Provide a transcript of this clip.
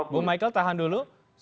bung michael tahan dulu